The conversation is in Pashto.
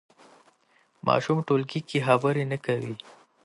ماشوم ټولګي کې خبرې نه کوي.